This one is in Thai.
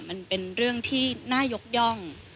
มันเป็นเรื่องที่น่ายกย่อง